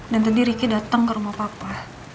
dan tadi ricky dateng ke rumah papa